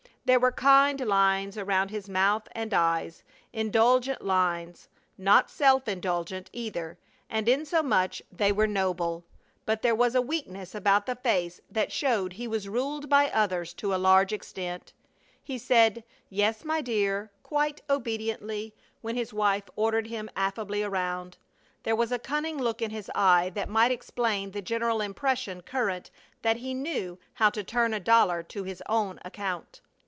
There were kind lines around his mouth and eyes, indulgent lines not self indulgent, either, and insomuch they were noble but there was a weakness about the face that showed he was ruled by others to a large extent. He said, "Yes, my dear!" quite obediently when his wife ordered him affably around. There was a cunning look in his eye that might explain the general impression current that he knew how to turn a dollar to his own account.